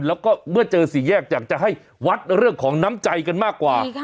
แล้วก็เมื่อเจอสี่แยกอยากจะให้วัดเรื่องของน้ำใจกันมากกว่า